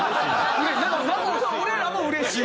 なんか俺らもうれしい。